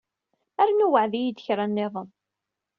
Rnu weɛɛed-iyi-d kra nniḍen.